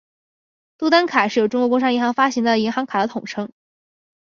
牡丹卡是由中国工商银行发行的银行卡的统称。